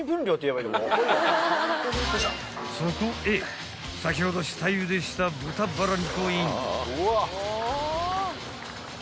［そこへ先ほど下ゆでした豚バラ肉をイン］